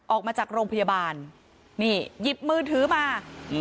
ออกมาจากโรงพยาบาลนี่หยิบมือถือมา